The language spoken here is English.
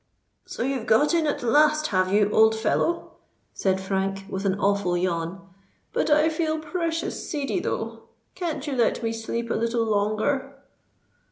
"So you've got in at last—have you, old fellow?" said Frank, with an awful yawn. "But I feel precious seedy, though. Can't you let me sleep a little longer."